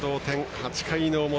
８回の表。